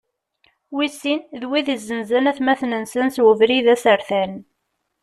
Wis sin, d wid izenzen atmaten-nsen s ubrid asertan.